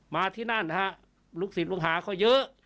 มาที่นั่นฮะลูกศิษย์ลูกหาเขาเยอะ